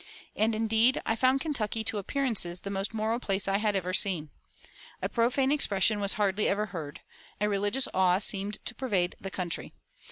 And indeed I found Kentucky to appearances the most moral place I had ever seen. A profane expression was hardly ever heard. A religious awe seemed to pervade the country.